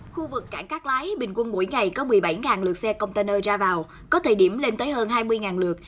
khu vực cảng cát lái bình quân mỗi ngày có một mươi bảy lượt xe container ra vào có thời điểm lên tới hơn hai mươi lượt